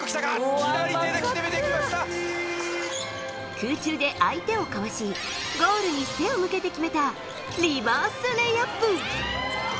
空中で相手をかわしゴールに背を向けて決めたリバースレイアップ。